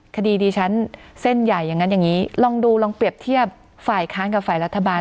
คดีดิฉันเส้นใหญ่อย่างนั้นอย่างนี้ลองดูลองเปรียบเทียบฝ่ายค้านกับฝ่ายรัฐบาล